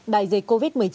đại dịch covid một mươi chín